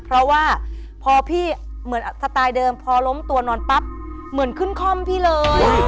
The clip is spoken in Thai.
เพราะว่าพอพี่เหมือนสไตล์เดิมพอล้มตัวนอนปั๊บเหมือนขึ้นคล่อมพี่เลย